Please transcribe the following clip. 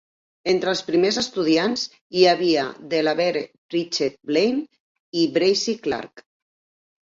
Entre els primers estudiants hi havia Delabere Pritchett Blaine i Bracy Clark.